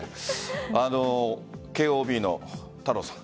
慶応ＯＢの太郎さん